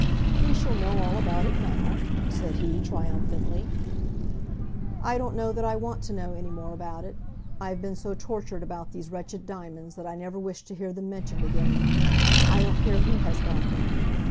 "We shall know all about it now," said he triumphantly. "I don't know that I want to know any more about it. I have been so tortured about these wretched diamonds, that I never wish to hear them mentioned again. I don't care who has got them.